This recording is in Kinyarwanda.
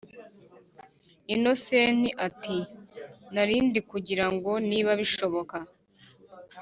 innocent ati”narindikugira ngo niba bishoboka